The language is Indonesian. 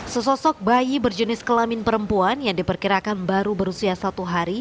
sesosok bayi berjenis kelamin perempuan yang diperkirakan baru berusia satu hari